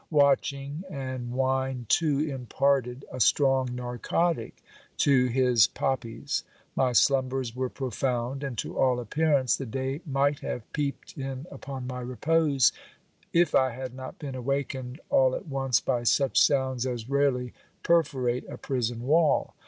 Watching and wine, too, imparted a strong narcotic to his pop pies. My slumbers were profound ; and to all appearance, the day might have peeped in upon my repose, if I had not been awakened all at once by such sounds as rarely perforate a prison wall.